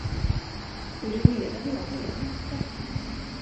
Urinerade jag på er matta?